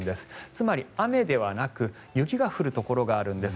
つまり雨ではなく雪が降るところがあるんです。